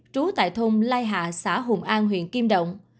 trú tại thôn lai hạ xã hùng an huyện kim động